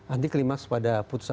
anti klimaks bukan pada terdakwa